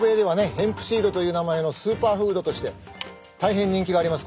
ヘンプシードという名前のスーパーフードとして大変人気があります